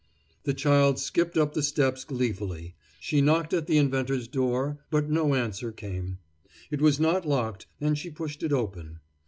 The child skipped up the steps gleefully. She knocked at the inventor's door, but no answer came. It was not locked, and she pushed it open.